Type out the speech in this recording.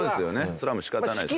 それはもう仕方ないです